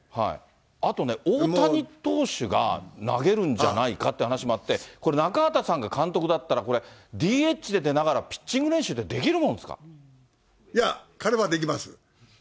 あとね、大谷投手が投げるんじゃないかって話もあって、これ、中畑さんが監督だったら、これ、ＤＨで出ながら、ピッチング練習いや、彼はできます。